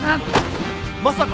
まさか！